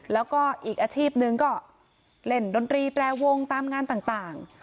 แล้วก็อีกอาชีพหนึ่งก็เล่นดนตรีแปรวงตามงานต่าง